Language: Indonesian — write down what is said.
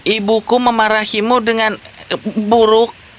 ibuku memarahimu dan menggigitmu